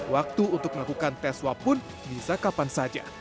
waktu untuk melakukan tes swab pun bisa kapan saja